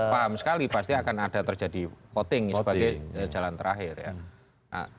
paham sekali pasti akan ada terjadi voting sebagai jalan terakhir ya